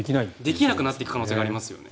できなくなっていく可能性がありますよね。